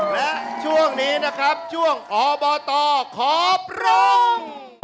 และช่วงนี้นะครับช่วงอบตขอปรุง